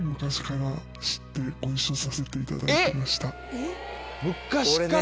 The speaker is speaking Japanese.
えっ！